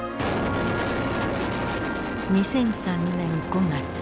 ２００３年５月。